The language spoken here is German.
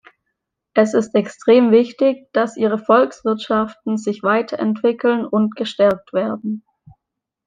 Es ist extrem wichtig, dass ihre Volkswirtschaften sich weiterentwickeln und gestärkt werden.